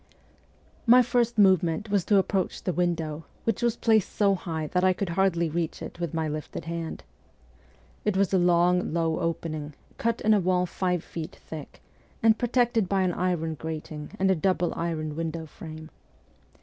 ' My first movement was to approach the window, which was placed so high that I could hardly reach it with my lifted hand. It was a long, low opening, cut in a wall five feet thick, and protected by an iron grating and a double iron window frame.